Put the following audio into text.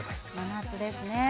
真夏ですねぇ。